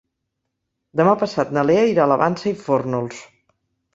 Demà passat na Lea irà a la Vansa i Fórnols.